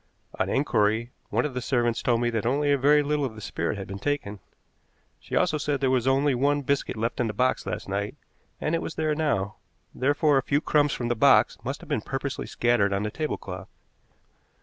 On inquiry, one of the servants told me that only a very little of the spirit had been taken. She also said there was only one biscuit left in the box last night, and it was there now; therefore a few crumbs from the box must have been purposely scattered on the tablecloth.